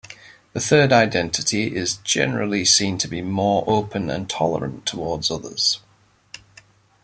The third identity is generally seen to be more open and tolerant towards others.